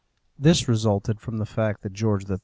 This resulted from the fact that George III.